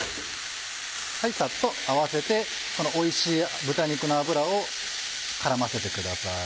さっと合わせてこのおいしい豚肉の脂を絡ませてください。